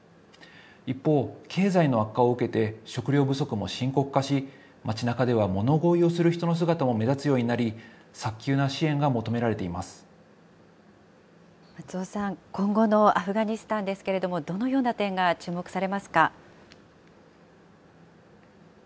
一方、経済の悪化を受けて食料不足も深刻化し、町なかでは物乞いをする人の姿も目立つようになり、早急な支援が松尾さん、今後のアフガニスタンですけれども、どのような点が注目されますか。